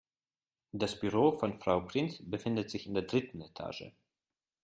Das Büro von Frau Prinz befindet sich in der dritten Etage.